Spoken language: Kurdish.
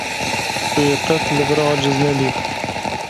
Tu yê qet li vir aciz nebî.